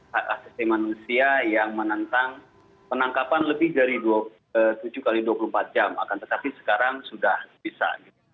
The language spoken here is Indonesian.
hak asasi manusia yang menentang penangkapan lebih dari tujuh x dua puluh empat jam akan tetapi sekarang sudah bisa